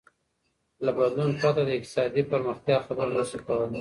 له بدلون پرته د اقتصادي پرمختيا خبره نسو کولاى.